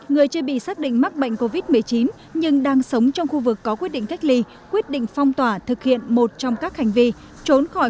người chưa bị xác định mắc bệnh covid một mươi chín nhưng đang sống trong khu vực có quyết định cách ly quyết định phong tỏa thực hiện một trong các hành vi